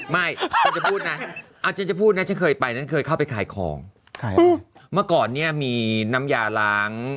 ไม่คุณจะพูดนะฉันจะพูดนะฉันเคยไปนะเคยเข้าไปขายของเมื่อก่อนเนี่ยมีน้ำยาล้าง